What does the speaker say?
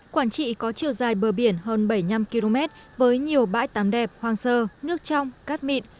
quảng trị có chiều dài bờ biển hơn bảy mươi năm km với nhiều bãi tắm đẹp hoang sơ nước trong cát mịn